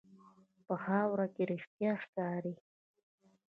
په خاوره کې رښتیا ښکاري.